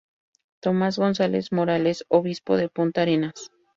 Tomas González Morales, Obispo de Punta Arenas.